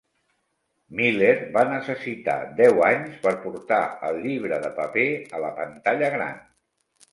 Miller va necessitar deu anys per portar el llibre de paper a la pantalla gran.